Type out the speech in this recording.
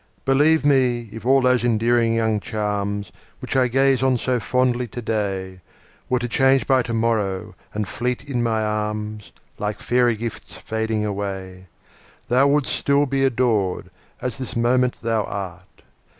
Believe me, if all those endearing young charms, Which I gaze on so fondly today, Were to change by to morrow, and fleet in my arms, Like fairy gifts fading away, Thou wouldst still be adored, as this moment thou art.